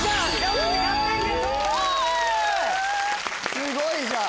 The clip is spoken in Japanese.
すごいじゃん！